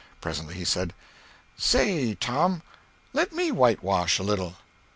Presently he said: "Say, Tom, let me whitewash a little."